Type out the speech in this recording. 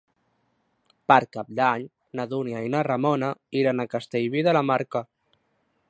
Per Cap d'Any na Dúnia i na Ramona iran a Castellví de la Marca.